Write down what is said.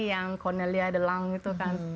yang cornelia delang gitu kan